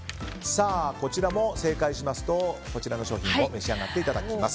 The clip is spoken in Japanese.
こちらも正解しますとこちらの商品を召し上がっていただきます。